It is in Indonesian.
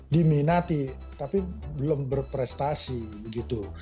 diminati tapi belum berprestasi begitu